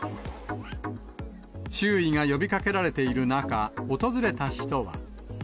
注意が呼びかけられている中、訪れた人は。